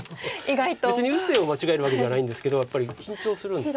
別に打つ手を間違えるわけじゃないんですけどやっぱり緊張するんです。